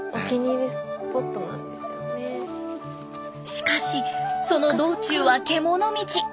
しかしその道中は獣道。